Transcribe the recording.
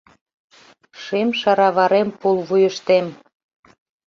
Шем шараварем пулвуйыштем.